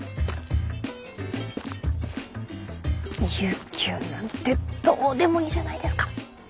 有休なんてどうでもいいじゃないですか。